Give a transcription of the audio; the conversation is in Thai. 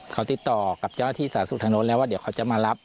เขาติดต่อกับเจ้าหน้าที่สาธารณสุขทางโน้นแล้วว่าเดี๋ยวเขาจะมารับ